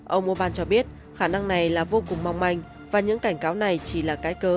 ông mobn cho biết khả năng này là vô cùng mong manh và những cảnh cáo này chỉ là cái cớ